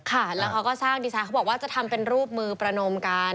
ค่ะแล้วเขาก็สร้างดีไซน์เขาบอกว่าจะทำเป็นรูปมือประนมกัน